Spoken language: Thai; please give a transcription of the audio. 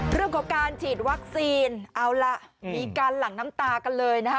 เรื่องของการฉีดวัคซีนเอาล่ะมีการหลั่งน้ำตากันเลยนะคะ